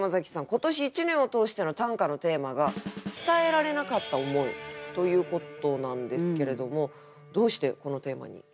今年一年を通しての短歌のテーマが「伝えられなかった思い」ということなんですけれどもどうしてこのテーマに？